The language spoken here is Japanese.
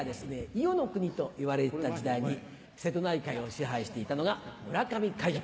伊予国といわれてた時代に瀬戸内海を支配していたのが村上海賊。